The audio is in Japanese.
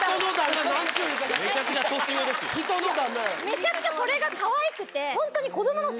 めちゃくちゃそれがかわいくてホントに。